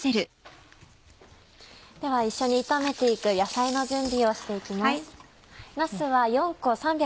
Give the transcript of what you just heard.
では一緒に炒めて行く野菜の準備をして行きます。